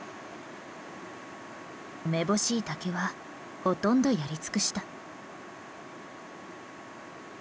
めぼしい竹はほとんどやり尽くした。